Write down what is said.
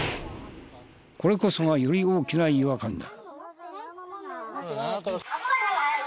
これこそがより大きな違和感だ。